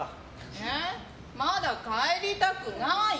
えー、まだ帰りたくない！